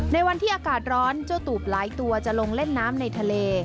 ในวันที่อากาศร้อนเจ้าตูบหลายตัวจะลงเล่นน้ำในทะเล